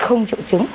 không triệu chứng